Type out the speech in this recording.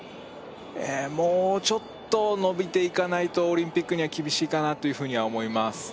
えーもうちょっと伸びていかないとオリンピックには厳しいかなというふうには思います